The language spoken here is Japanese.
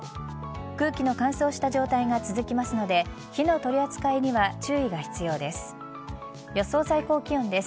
空気の乾燥した状態が続きますので火の取り扱いには注意が必要です。